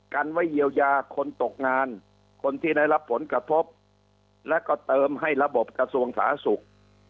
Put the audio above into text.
กันไว้เยียวยาคนตกงานคนที่ได้รับผลกระทบและก็เติมให้ระบบกระทรวงสาธารณสุข